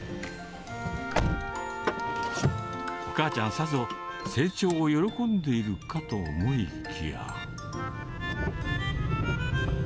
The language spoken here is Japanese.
お母ちゃん、さぞ、成長を喜んでいるかと思いきや。